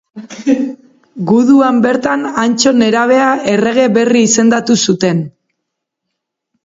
Guduan bertan Antso nerabea errege berri izendatu zuten.